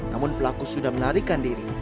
namun pelaku sudah menarikan diri